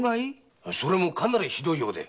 それもかなりひどいようで。